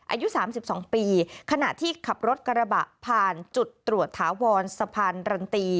อายุ๓๒ปีขณะที่ขับรถกระบะผ่านจุดตรวจถาวรสะพานรันตี